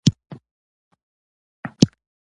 د اور په کشفولو سره مهم بدلونونه منځ ته راغلل.